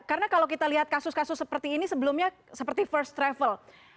karena kalau kita lihat kasus kasus seperti ini sebelumnya seperti first travel